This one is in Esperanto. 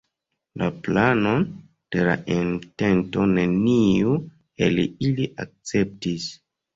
La planon de la entento neniu el ili akceptis.